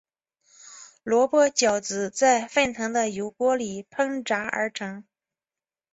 萝卜饺子在沸腾的油锅里烹炸而成。